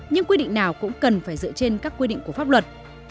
nhưng quy định nào cũng cần phải dựa trên các quy định của pháp luật